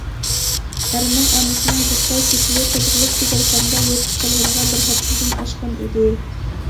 ئەرنىڭ ئانىسىنىڭ زىققا كېسىلى قوزغىلىپ كېسەلخانىدا يېتىپ قالغىنىغا بىر ھەپتىدىن ئاشقان ئىدى.